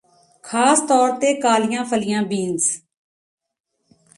ਖਾਸ ਤੌਰ ਤੇ ਕਾਲੀਆਂ ਫਲੀਆਂ ਬੀਨਜ਼